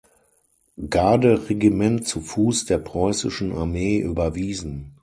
Garde-Regiment zu Fuß der Preußischen Armee überwiesen.